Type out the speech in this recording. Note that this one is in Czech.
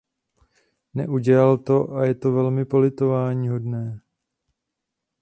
Neudělal to a to je velmi politováníhodné.